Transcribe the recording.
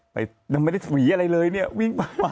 ไม่ได้หวีอะไรเลยเนี่ยวิ่งมา